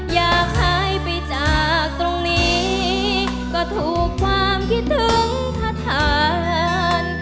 อยากหายไปจากตรงนี้ก็ถูกความคิดถึงททาน